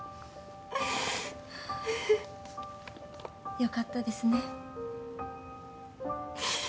よかったですね。